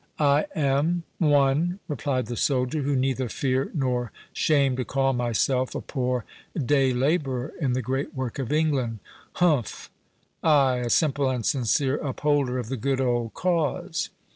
"I am, one," replied the soldier, "who neither fear nor shame to call myself a poor day labourer in the great work of England—umph!—Ay, a simple and sincere upholder of the good old cause."